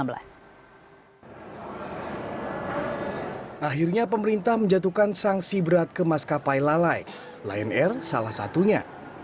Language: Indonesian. lion air salah satunya